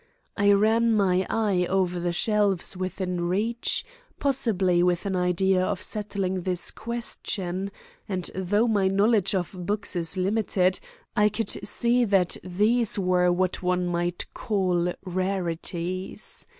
I ran my eye over the shelves within reach, possibly with an idea of settling this question, and though my knowledge of books is limited I could see that these were what one might call rarities.